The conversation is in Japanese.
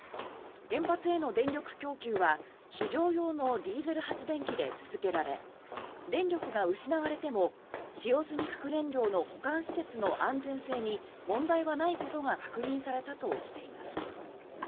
原発への電力供給は非常用のディーゼル発電機で続けられ電力が失われても使用済み核燃料の保管施設の安全性に問題はないことが確認されたとしています。